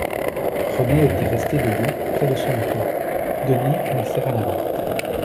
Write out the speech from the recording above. Renaud était resté debout près de son auto. Denis lui serra la main.